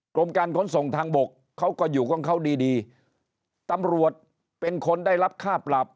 กรมการขนส่งทางบกเขาก็อยู่ของเขาดีดีตำรวจเป็นคนได้รับค่าปรับ